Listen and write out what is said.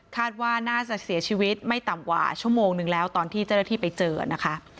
ว่าน่าจะเสียชีวิตไม่ต่ำกว่าชั่วโมงนึงแล้วตอนที่เจ้าหน้าที่ไปเจอนะคะ